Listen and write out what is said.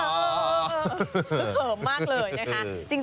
เผิดเขิมมากเลยเนี่ยค่ะ